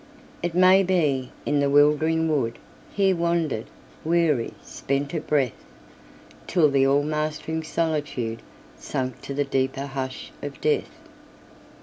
It may be, in the wildering woodHe wandered, weary, spent of breath, Till the all mastering solitudeSank to the deeper hush of death.